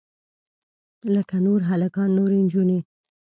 لکه نور هلکان نورې نجونې.